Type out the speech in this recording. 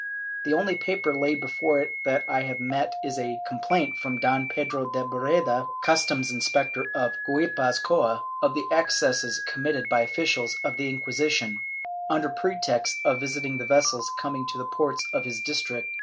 The only paper laid before it that I have met is a com plaint from Don Pedro de Barreda, customs inspector of Guipuz coa, of the excesses committed by officials of the Inquisition, under pretext of visiting the vessels coming to the ports of his district.'